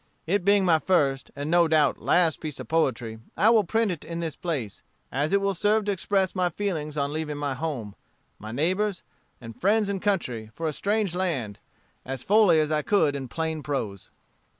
It being my first, and, no doubt, last piece of poetry, I will print it in this place, as it will serve to express my feelings on leaving my home, my neighbors, and friends and country, for a strange land, as fully as I could in plain prose.